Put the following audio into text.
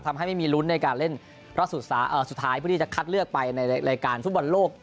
ทำให้ไม่มีลุ้นในการเล่นรอบสุดท้ายเพื่อที่จะคัดเลือกไปในรายการฟุตบอลโลก